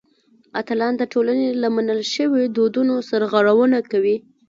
اتلان د ټولنې له منل شویو دودونو سرغړونه کوي.